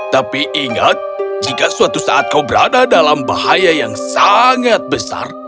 tapi ingat jika suatu saat kau berada dalam bahaya yang sangat besar